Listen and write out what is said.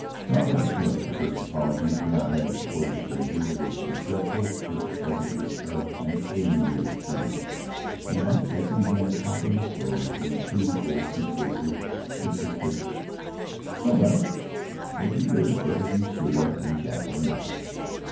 Carl cut short the Turk's apologies for not having supported Frazer, with the dreadful curt pleasantness of an alienated friend, and, as he began packing his clothes in two old suit cases, insisted, "It's all right—was your biz whether you stood up in chapel or not."